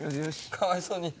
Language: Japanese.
かわいそうに。